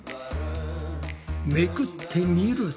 めくってみると。